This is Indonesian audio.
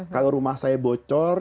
kalau rumah saya bocor